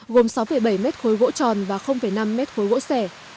gồm sáu bảy m khối gỗ tròn và năm m khối gỗ sẻ